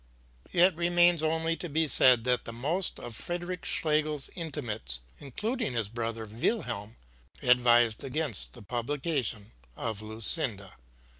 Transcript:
It remains only to be said that the most of Friedrich Schlegel's intimates, including his brother Wilhelm, advised against the publication of Lucinda.